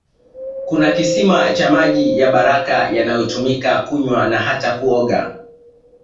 Kuna kisima cha maji ya baraka yanayotumika kunywa na hata kuoga